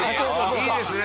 いいですね。